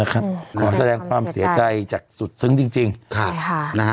ขอแสดงความเสียใจจากสุดซึ้งจริง